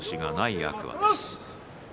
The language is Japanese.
天空海です。